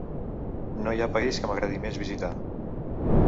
No hi ha país que m’agradi més visitar.